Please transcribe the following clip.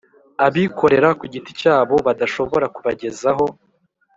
abikorera ku giti cyabo badashobora kubagezaho